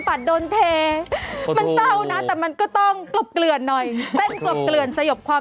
แย่มกันเลยนะ